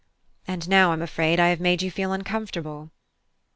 And now I'm afraid I have made you feel uncomfortable."